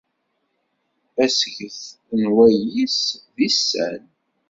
Asget n wayyis d isan.